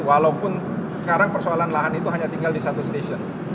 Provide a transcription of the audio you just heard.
walaupun sekarang persoalan lahan itu hanya tinggal di satu stasiun